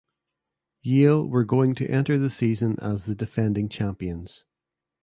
Yale were going to enter the season as the defending champions.